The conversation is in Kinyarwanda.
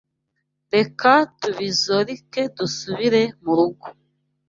Reka tubizorike dusubire murugo.